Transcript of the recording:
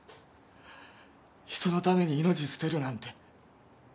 人のために命捨てるなんて。